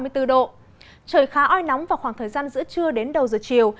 trời khá oi nóng vào khoảng thời gian giữa trưa đến đầu giờ chiều